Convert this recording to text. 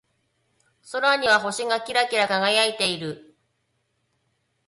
空には星がキラキラ輝いている。